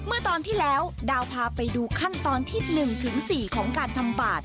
เมื่อตอนที่แล้วดาวพาไปดูขั้นตอนที่๑๔ของการทำบาท